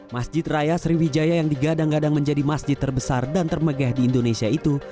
masjid raya sriwijaya yang digadang gadang menjadi masjid terbesar dan termegeh di indonesia itu